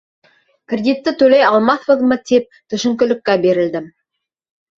Кредитты түләй алмаҫбыҙ тип төшөнкөлөккә бирелдем.